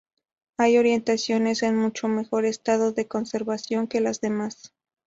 Hay orientaciones en mucho mejor estado de conservación que las demás.